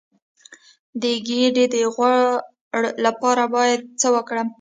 د ګیډې د غوړ لپاره باید څه وکړم؟